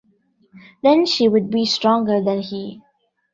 Then she would be stronger than he.